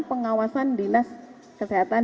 pengawasan dinas kesehatan